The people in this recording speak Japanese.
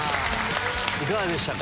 いかがでしたか？